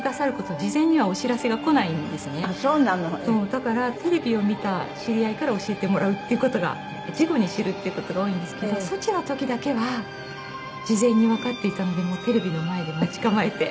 だからテレビを見た知り合いから教えてもらうっていう事が事後に知るっていう事が多いんですけどソチの時だけは事前にわかっていたのでテレビの前で待ち構えて。